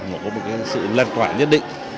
một cái sự lan toàn nhất định